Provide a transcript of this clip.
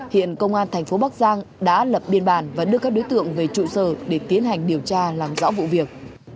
hiện công an thành phố bắc giang đã lập biên bản và đưa các đối tượng về trụ sở để tiến hành điều tra làm rõ vụ việc